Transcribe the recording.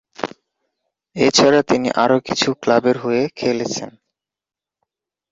এছাড়া তিনি আরও কিছু ক্লাবের হয়ে খেলেছেন।